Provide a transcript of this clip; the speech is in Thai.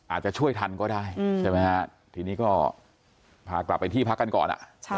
อาจจะช่วยทันก็ได้ใช่ไหมฮะทีนี้ก็พากลับไปที่พักกันก่อน